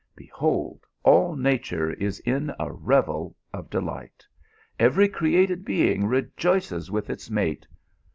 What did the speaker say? Be nold all nature is in a revel of delight. Every cre ated being rejoices with its mate.